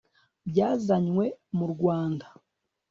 byazanywe mu rwanda